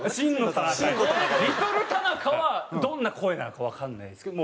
リトル田中はどんな声なのかわからないですけど。